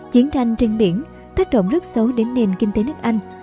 chiến tranh trên biển tác động rất xấu đến nền kinh tế nước anh